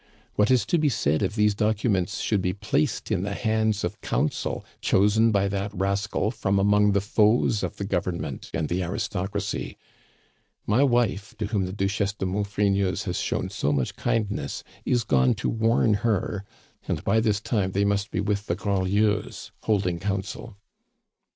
What is to be said if these documents should be placed in the hands of counsel chosen by that rascal from among the foes of the government and the aristocracy! My wife, to whom the Duchesse de Maufrigneuse has shown so much kindness, is gone to warn her, and by this time they must be with the Grandlieus holding council."